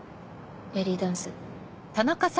ベリーダンス。